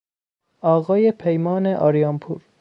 آقای پیمان آریانپور